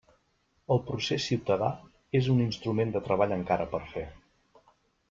El procés ciutadà és un instrument de treball encara per fer.